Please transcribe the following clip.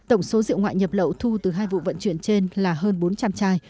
tổng số rượu ngoại nhập lậu thu từ hai vụ vận chuyển trên là hơn bốn trăm linh chai